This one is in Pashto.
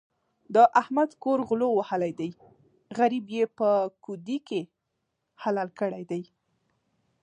د احمد کور غلو وهلی دی؛ غريب يې په کودي کې حلال کړی دی.